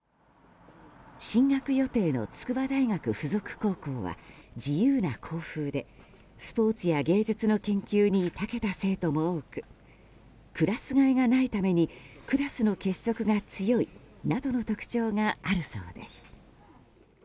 進学予定の筑波大附属高校は自由な校風でスポーツや芸術の研究に長けた生徒も多くクラス替えがないためにクラスの結束が強いなどの特徴があるそうです。